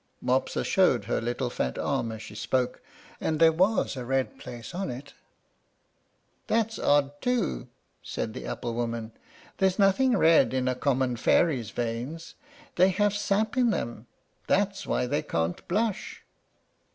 Mopsa showed her little fat arm as she spoke, and there was a red place on it. "That's odd, too," said the apple woman; "there's nothing red in a common fairy's veins. They have sap in them: that's why they can't blush."